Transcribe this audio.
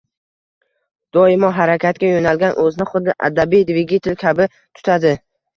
doimo harakatga yo‘nalgan, o‘zini xuddi abadiy dvigatel kabi tutadi.